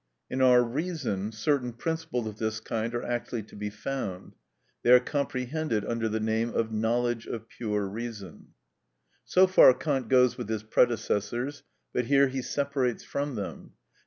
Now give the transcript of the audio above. In our reason certain principles of this kind are actually to be found: they are comprehended under the name of Knowledge of pure reason. So far Kant goes with his predecessors, but here he separates from them.